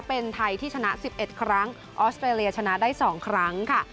เป็นไทยที่ชนะ๑๑ครั้งออสเตรเลียชนะได้๒ครั้งค่ะ